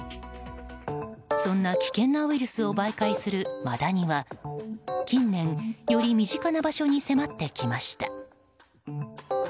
そんな危険なウイルスを媒介するマダニは近年、より身近な場所に迫ってきました。